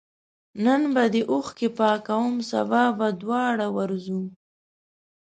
نن به دي اوښکي پاکوم سبا به دواړه ورځو